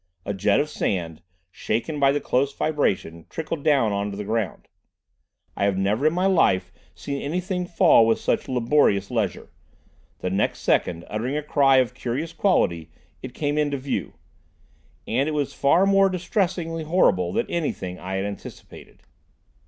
A jet of sand, shaken by the close vibration, trickled down on to the ground; I have never in my life seen anything fall with such laborious leisure. The next second, uttering a cry of curious quality, it came into view. And it was far more distressingly horrible than anything I had anticipated.